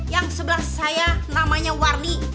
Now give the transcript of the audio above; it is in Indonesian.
yang sebelah saya namanya warni